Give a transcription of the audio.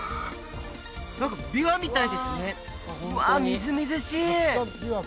何かビワみたいですねわみずみずしい！